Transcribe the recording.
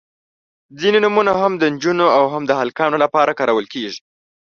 • ځینې نومونه هم د نجونو او هم د هلکانو لپاره کارول کیږي.